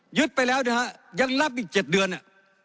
หยุดไปแล้วนะฮะยังรับอีกเจ็ดเดือนน่ะ